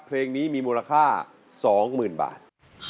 เพลงนี้มีมูลค่า๒๐๐๐บาท